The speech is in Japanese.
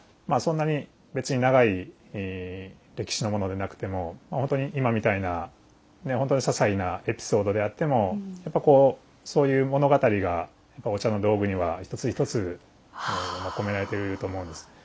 まあそんなに別に長い歴史のものでなくてもほんとに今みたいなねほんとにささいなエピソードであってもやっぱこうそういう物語がお茶の道具には一つ一つ込められてると思うんです。